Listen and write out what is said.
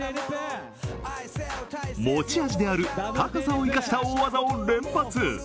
持ち味である高さを生かした大技を連発。